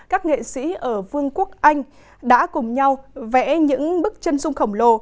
các nghệ sĩ ở vương quốc anh đã cùng nhau vẽ những bức chân sung khổng lồ